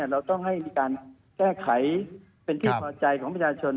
เราต้องให้มีการแก้ไขเป็นที่พอใจของประชาชน